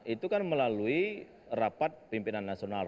itu kan melalui rapat pimpinan nasional